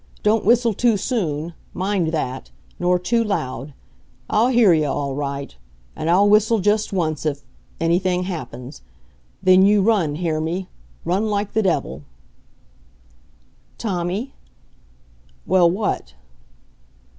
Don't whistle too soon mind that nor too loud. I'll hear ye all right. And I'll whistle just once if anything happens. Then you run hear me? Run like the devil " "Tommy " "Well, what?"